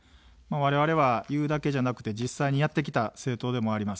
われわれは言うだけじゃなくて実際にやってきた政党でもあります。